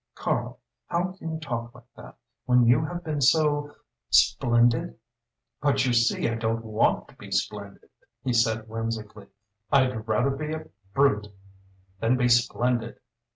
"Karl how can you talk like that, when you have been so splendid?" "But you see I don't want to be splendid," he said whimsically. "I'd rather be a brute than be splendid.